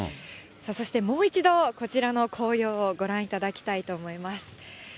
そしてもう一度、こちらの紅葉をご覧いただきたいと思います。